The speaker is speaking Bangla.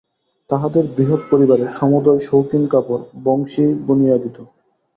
তাঁহাদের বৃহৎ পরিবারের সমুদয় শৌখিন কাপড় বংশীই বুনিয়া দিত।